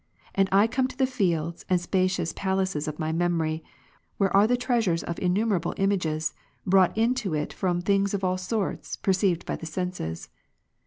And I come to the fields and spacious palaces of my memory, where are the treasures of innumerable images, brought into it from things of all sorts perceived by the senses.